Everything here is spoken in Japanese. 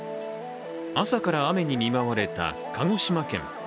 朝から雨に見舞われた鹿児島県。